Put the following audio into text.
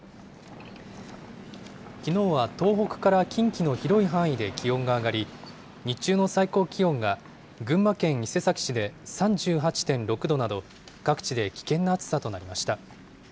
きのうは東北から近畿の広い範囲で気温が上がり、日中の最高気温が群馬県伊勢崎市で３８．６度など、各地で危険な暑さとなりました。